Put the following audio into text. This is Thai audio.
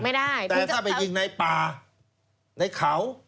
ไม่ได้แต่ถ้าไปยิงในป่าในเขา